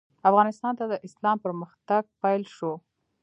افغانستان ته د اسلام پرمختګ پیل شو.